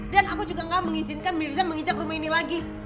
dan aku juga gak mengizinkan mirza menginjak rumah ini lagi